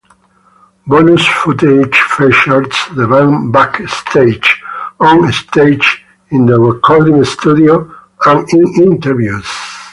Bonus footage features the band backstage, on-stage, in the recording studio and in interviews.